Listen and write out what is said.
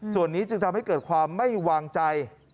ส่วนนี้จึงทำให้เกิดความไม่วางใจ